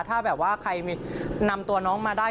ถ้าแบบว่าใครนำตัวน้องมาได้